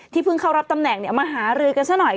เพิ่งเข้ารับตำแหน่งมาหารือกันซะหน่อย